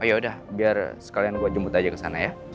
oh yaudah biar sekalian gue jemput aja kesana ya